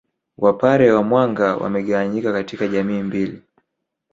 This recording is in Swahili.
Wapare wa Mwanga wamegawanyika katika jamii mbili